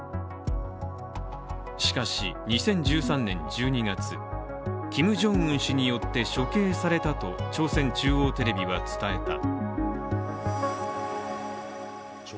しかし２０１３年１２月、キム・ジョンウン氏によって処刑されたと朝鮮中央テレビは伝えた。